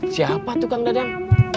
siapa tuh kang dadang